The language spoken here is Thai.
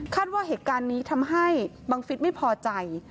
ว่าเหตุการณ์นี้ทำให้บังฟิศไม่พอใจ